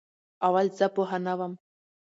اول زه پوهه نه وم